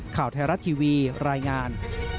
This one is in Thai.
ข่าวไทยรัฐทีวีรายงาน